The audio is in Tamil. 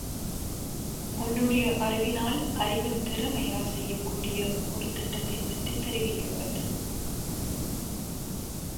உன்னுடைய அறிவினால், அறிவின் திறமையால் செய்யக்கூடிய ஒரு திட்டத்தைப் பற்றித் தெரிவிக்க வேண்டும்.